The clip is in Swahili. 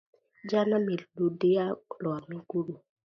Jana mirirudiliya lwa mikulu